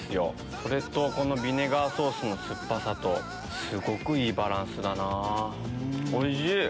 それとこのビネガーソースの酸っぱさとすごくいいバランスだなぁおいしい！